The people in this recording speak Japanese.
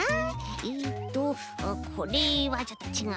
えっとこれはちょっとちがう。